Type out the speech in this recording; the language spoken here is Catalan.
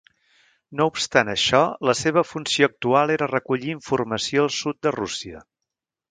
No obstant això, la seva funció actual era recollir informació al sud de Rússia.